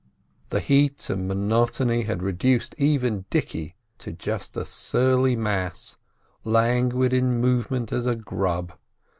The heat and monotony had reduced even Dicky to just a surly mass, languid in movement as a grub.